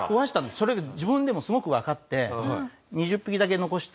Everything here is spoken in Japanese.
それが自分でもすごくわかって。